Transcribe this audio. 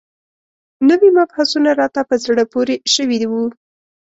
نوي مبحثونه راته په زړه پورې شوي وو.